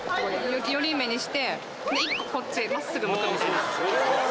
寄り目にして１個こっちへまっすぐ向くみたいな。